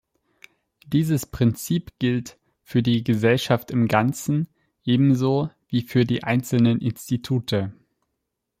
Dieses Prinzip gilt für die Gesellschaft im Ganzen ebenso wie für die einzelnen Institute.